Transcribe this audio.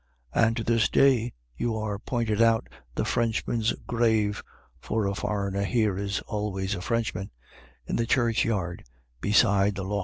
And to this day you are pointed out the French man's grave — for a foreigner here is always a Frenchman— in the churchyard beside the lough.